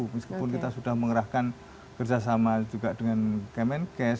meskipun kita sudah mengerahkan kerjasama juga dengan kemenkes